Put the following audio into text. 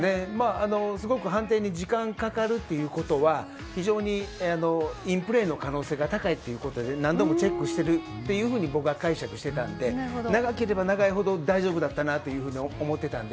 すごく判定に時間がかかるということは非常にインプレーの可能性が高いということで何度もチェックしていると僕は解釈していたので長ければ長いほど大丈夫だったなというふうに思っていたので。